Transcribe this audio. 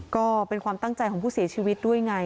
ก็เป็นความตั้งใจของผู้เสียชีวิตด้วยไง